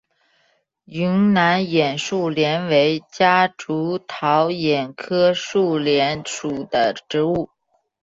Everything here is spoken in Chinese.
云南眼树莲为夹竹桃科眼树莲属的植物。